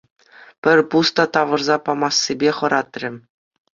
Пӗр пус та тавӑрса памассипе хӑратрӗ.